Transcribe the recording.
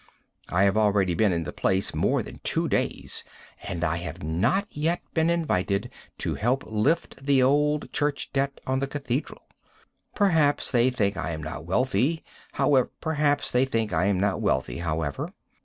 I have already been in the place more than two days and I have not yet been invited to help lift the old church debt on the cathedral. Perhaps they think I am not wealthy, however.